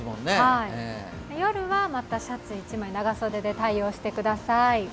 夜はまたシャツ１枚、長袖で対応してください。